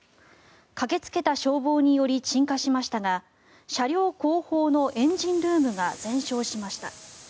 駆けつけた消防により鎮火しましたが車両後方のエンジンルームが全焼しました。